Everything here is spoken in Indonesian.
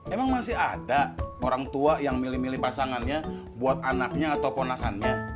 emang masih ada orang tua yang milih milih pasangannya buat anaknya ataupun nahannya